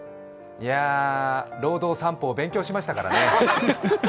いや、労働三法勉強しましたからね。